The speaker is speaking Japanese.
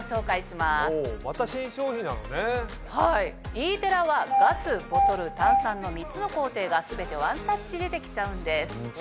Ｅ−ＴＥＲＲＡはガスボトル炭酸の３つの工程が全てワンタッチでできちゃうんです。